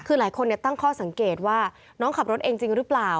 คือหลายคนตั้งข้อสังเกตว่าน้องขับรถเองจริงหรือเปล่า